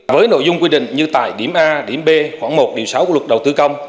với nội dung quy định như tại điểm a điểm b khoảng một điều sáu của luật đầu tư công